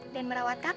dan merawat kakak